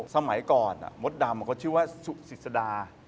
สมัยก่อนมดดำเขาชื่อว่าสุศิษดา